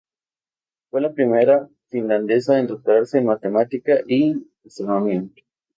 Fue la primera finlandesa en doctorarse en matemática y astronomía.